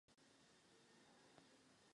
Otevřena byla den poté.